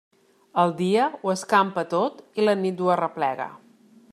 El dia ho escampa tot i la nit ho arreplega.